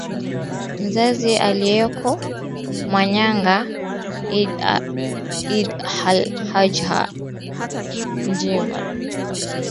mzazi aliyeko nyamwanga idd al hajj njema